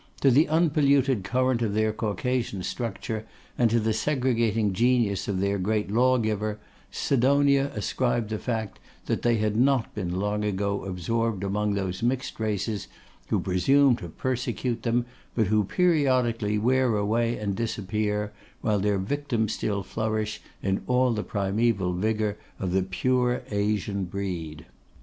To the unpolluted current of their Caucasian structure, and to the segregating genius of their great Law giver, Sidonia ascribed the fact that they had not been long ago absorbed among those mixed races, who presume to persecute them, but who periodically wear away and disappear, while their victims still flourish in all the primeval vigour of the pure Asian breed.